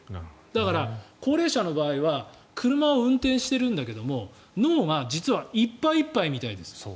だから、高齢者の場合は車を運転してるけど脳がいっぱいいっぱいみたいです。